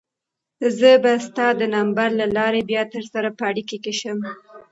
زه به ستا د نمبر له لارې بیا درسره په اړیکه کې شم.